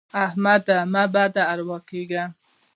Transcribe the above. احمده مه بد اروا کېږه.